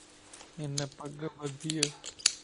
ھنک پڳ ٻڌيَ